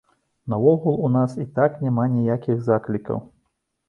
Наогул, у нас і так няма ніякіх заклікаў.